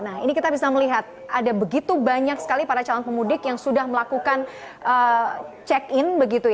nah ini kita bisa melihat ada begitu banyak sekali para calon pemudik yang sudah melakukan check in